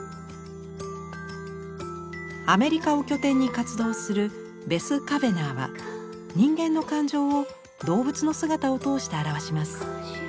アメリカを拠点に活動するベス・カヴェナーは人間の感情を動物の姿を通して表します。